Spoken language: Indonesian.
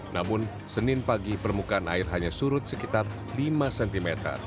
namun senin pagi permukaan air hanya surut sekitar lima cm